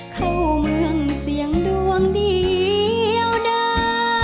เข้าเมืองเสียงดวงเดียวดา